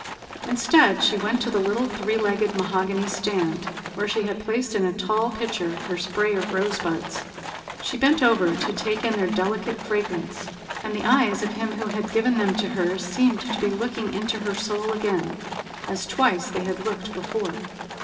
Instead, she went to the little three legged mahogany stand, where she had placed in a tall pitcher her spray of rosebuds. She bent over to take in their delicate fragrance, and the eyes of him who had given them to her seemed to be looking into her soul again, as twice they had looked before.